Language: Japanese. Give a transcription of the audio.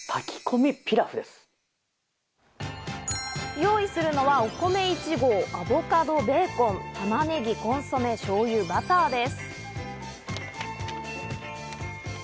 用意するのは、お米１合、アボカド、ベーコン、玉ねぎ、コンソメ、しょうゆ、バターです。